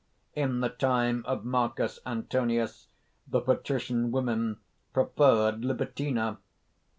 "In the time of Marcus Antonius the patrician women preferred Libitina."